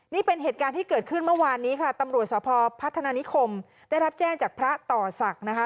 นี่เป็นเหตุการณ์ที่เกิดขึ้นเมื่อวานนี้ค่ะตำรวจสภพัฒนานิคมได้รับแจ้งจากพระต่อศักดิ์นะคะ